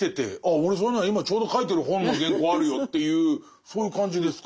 俺それなら今ちょうど書いてる本の原稿あるよというそういう感じですか。